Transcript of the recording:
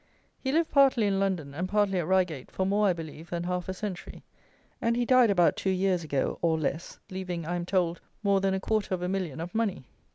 He lived partly in London and partly at Reigate, for more, I believe, than half a century; and he died, about two years ago, or less, leaving, I am told, more than a quarter of a million of money.